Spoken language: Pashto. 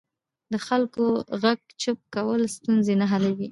د خلکو غږ چوپ کول ستونزې نه حلوي